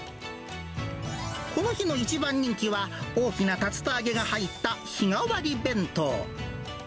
この日の一番人気は、大きな竜田揚げが入った日替わり弁当。